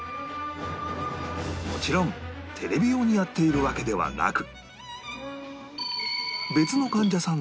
もちろんテレビ用にやっているわけではなく